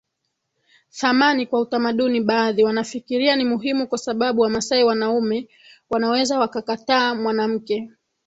thamani kwa utamaduni Baadhi wanafikiria ni muhimu kwa sababu Wamasai wanaume wanaweza wakakataa mwanamke